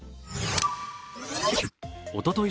おととい